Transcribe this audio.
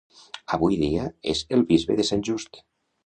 Avui dia és el Bisbe de Sant Just.